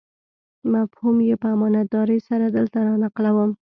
مفهوم یې په امانتدارۍ سره دلته رانقلوم.